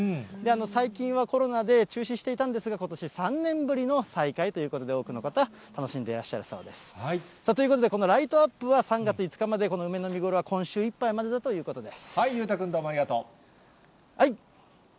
最近はコロナで中止していたんですが、ことし３年ぶりの再開ということで、多くの方、楽しんでいらっしゃるそうです。ということで、このライトアップは３月５日まで、この梅の見頃は今週いっぱいまでだということです。